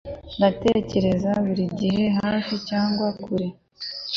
ndatekereza buri gihe hafi cyangwa kure